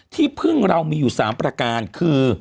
ที่พึ่งเรามีอยู่๓ประการคือ